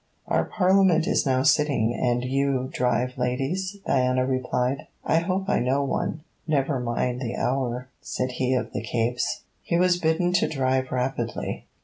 'Our Parliament is now sitting, and you drive ladies,' Diana replied. 'I hope I know one, never mind the hour,' said he of the capes. He was bidden to drive rapidly.